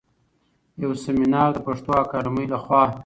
يو سمينار د پښتو اکاډمۍ لخوا